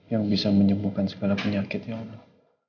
yang bisa menyembuhkan segala penyakit ya allah